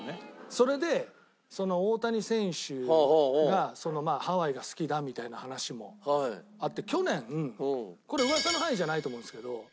それで大谷選手がハワイが好きだみたいな話もあって去年これ噂の範囲じゃないと思うんですけど。